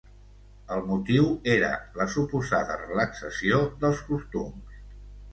El motiu era la suposada relaxació dels costums.